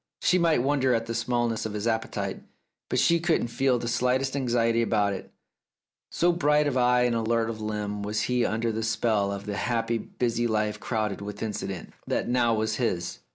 She might wonder at the smallness of his appetite, but she could not feel the slightest anxiety about that, so bright of eye and alert of limb was he under the spell of the happy busy life crowded with incident, that now was his.